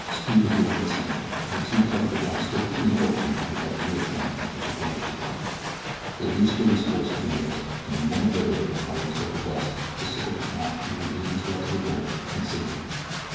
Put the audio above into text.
Speed was the only essential, and the two covered the ground swiftly and openly without any attempt to take advantage of cover. They reached Billy's horse unnoticed, and a moment later were trotting toward the west to circle the town and regain the trail to the north and safety.